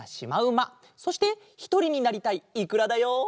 そしてひとりになりたいいくらだよ。